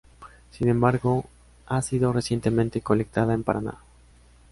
Sin embargo, ha sido recientemente colectada en Paraná.